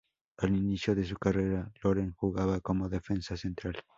Al inicio de su carrera, Loren jugaba como defensa central.